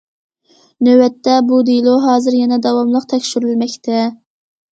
نۆۋەتتە، بۇ دېلو ھازىر يەنە داۋاملىق تەكشۈرۈلمەكتە.